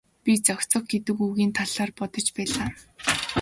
Би зохицох гэдэг үгийн талаар бодож байлаа.